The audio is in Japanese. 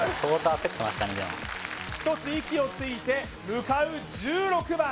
ひとつ息をついて向かう１６番